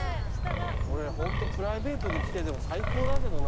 これホントプライベートで来てても最高だけどな。